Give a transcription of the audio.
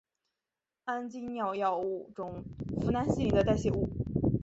氨基脲药物中呋喃西林的代谢物。